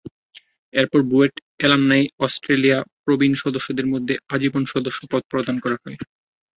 এরপর BUET alumni Australia প্রবীণ সদস্যদের মধ্যে আজীবন সদস্যপদ প্রদান করা হয়।